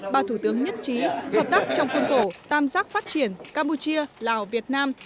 ba thủ tướng nhất trí hợp tác trong khuôn khổ tam giác phát triển campuchia lào việt nam